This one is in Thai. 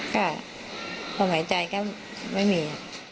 ก็ลมหายใจก็ไม่มี